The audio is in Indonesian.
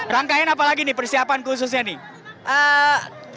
rangkaian apa lagi nih persiapan khususnya nih